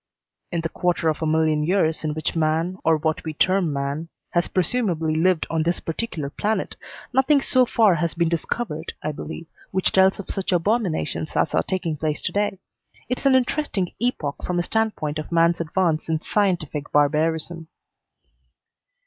"In the quarter of a million years in which man, or what we term man, has presumably lived on this particular planet, nothing so far has been discovered, I believe, which tells of such abominations as are taking place to day. It's an interesting epoch from the standpoint of man's advance in scientific barbarism."